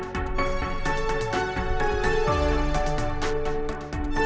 dengan suasana yang bahagia kayak gini